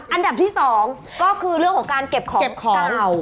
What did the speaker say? อันดับที่สองก็คือเรื่องของกาว